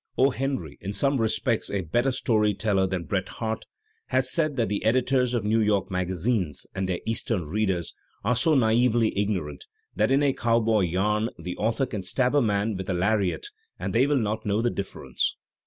"O. Henry," in some respects a better story teller than Bret Harte, has said that the editors of New York magazines (and their Eastern readers) are so naively ignorant that in a cowboy yam the author can stab a man with a lariat and they will not know the diflFerence.